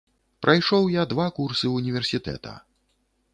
Прайшоў я два курсы універсітэта.